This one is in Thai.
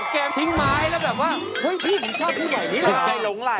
เกมขึ้นไม้แล้วแบบว่า